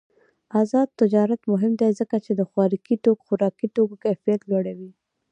آزاد تجارت مهم دی ځکه چې د خوراکي توکو کیفیت لوړوي.